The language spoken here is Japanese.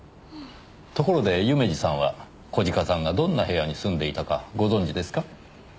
ところで夢路さんは小鹿さんがどんな部屋に住んでいたかご存じですか？